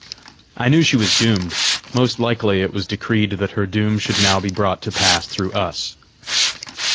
I knew she was doomed: most likely it was decreed that her doom should now be brought to pass through us!